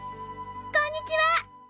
こんにちは。